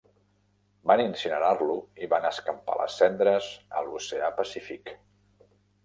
Van incinerar-lo i van escampar les cendres a l'oceà Pacífic.